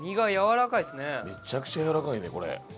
めちゃくちゃやわらかいねこれ。